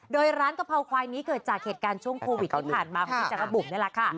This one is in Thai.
โดยร้านกะเพราควายนี้เกิดจากเหตุการณ์ช่วงโควิดที่ผ่านมาของพี่จักรบุ๋มนี่แหละค่ะ